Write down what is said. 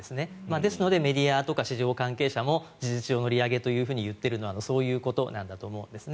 ですのでメディアとか市場関係者も事実上の利上げと言っているのはそういうことなんだと思うんですね。